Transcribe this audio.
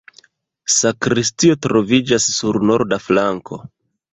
Sakristio troviĝas sur norda flanko.